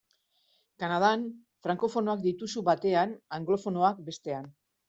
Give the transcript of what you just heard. Kanadan, frankofonoak dituzu batean, anglofonoak bestean.